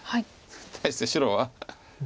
対して白は。